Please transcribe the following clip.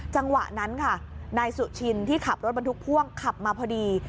จังหวะนั้นค่ะนายสุชินที่ขับรถบรรทุกพ่วงขับมาพอดี